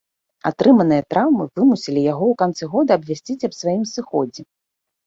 Атрыманыя траўмы вымусілі яго ў канцы года абвясціць аб сваім сыходзе.